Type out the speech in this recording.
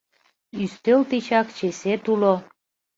Ӱстел тичак чесет уло.